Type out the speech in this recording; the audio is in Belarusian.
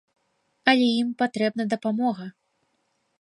Але ім патрэбна дапамога.